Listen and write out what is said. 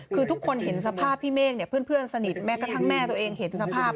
คือทุกคนเห็นสภาพพี่เมฆเพื่อนสนิทแม้กระทั่งแม่ตัวเองเห็นสภาพ